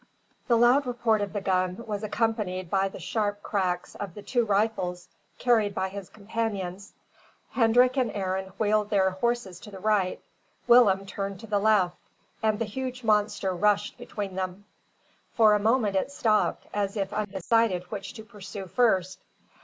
The loud report of the gun was accompanied by the sharp cracks of the two rifles carried by his companions. Hendrik and Arend wheeled their horses to the right; Willem turned to the left, and the huge monster rushed between them. For a moment it stopped, as if undecided which to pursue first.